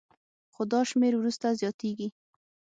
خو دا شمېر وروسته زیاتېږي